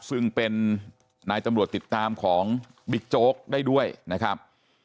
ซึ่งเป็นนายตำรวจติดตามของบิ๊กโจ๊กได้ด้วยนะครับ